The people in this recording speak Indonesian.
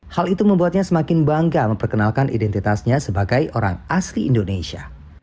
hal itu membuatnya semakin bangga memperkenalkan identitasnya sebagai orang asli indonesia